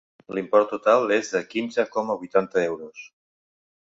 L'import total és de quinze coma vuitanta euros.